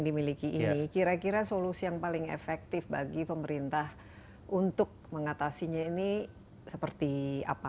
dimiliki ini kira kira solusi yang paling efektif bagi pemerintah untuk mengatasinya ini seperti apa